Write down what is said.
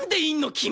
君！